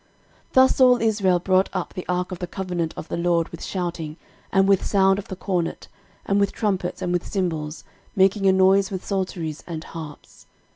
13:015:028 Thus all Israel brought up the ark of the covenant of the LORD with shouting, and with sound of the cornet, and with trumpets, and with cymbals, making a noise with psalteries and harps.